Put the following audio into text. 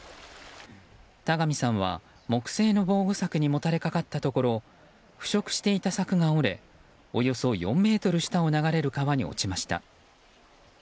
田上さんは、木製の防護柵にもたれかかったところ腐食していた柵が折れおよそ４ｍ下を流れるか川に落ちました。